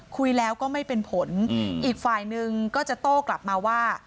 คุยแล้วก็ไม่เป็นผลอีกฝ่ายนึงก็จะโต้กลับมาว่า